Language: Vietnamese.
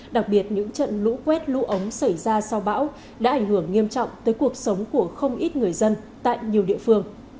đặc biệt những trận lũ quét lũ ống xảy ra sau bão đã ảnh hưởng nghiêm trọng tới cuộc sống của không ít người dân tại nhiều địa phương